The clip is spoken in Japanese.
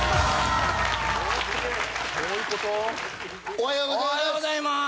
おはようございます。